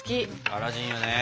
「アラジン」いいよね。